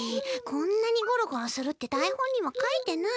こんなにゴロゴロするって台本にはかいてない。